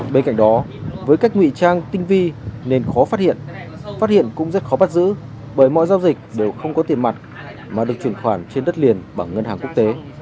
bên cạnh đó với cách nguy trang tinh vi nên khó phát hiện phát hiện cũng rất khó bắt giữ bởi mọi giao dịch đều không có tiền mặt mà được chuyển khoản trên đất liền bằng ngân hàng quốc tế